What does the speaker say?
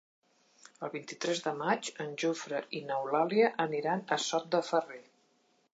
El vint-i-tres de maig en Jofre i n'Eulàlia aniran a Sot de Ferrer.